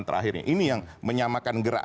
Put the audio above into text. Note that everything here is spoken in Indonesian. terakhirnya ini yang menyamakan gerak